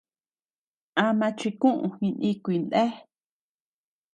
Ama chikuʼu jinikuy ndéa.